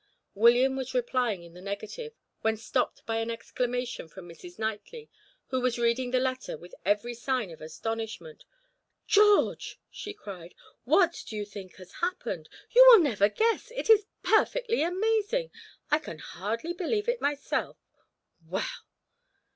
William was replying in the negative, when stopped by an exclamation from Mrs. Knightley, who was reading the letter with every sign of astonishment. "George!" she cried, "what do you think has happened? You will never guess! It is perfectly amazing! I can hardly believe it myself. Well